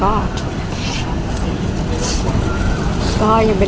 ภาษาสนิทยาลัยสุดท้าย